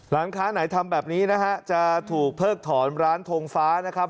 ร้านค้าไหนทำแบบนี้นะฮะจะถูกเพิกถอนร้านทงฟ้านะครับ